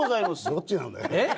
どっちなんだい？